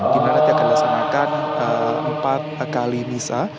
di mana dia akan dilaksanakan empat kali misah